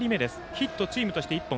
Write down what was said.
ヒット、チームとして１本。